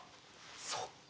そっか。